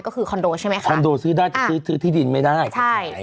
ก็คือคอนโดใช่ไหมคะคอนโดซื้อได้ซื้อที่ดินไม่ได้